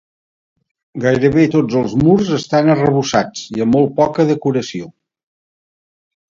Gairebé tots els murs estan arrebossats i amb molt poca decoració.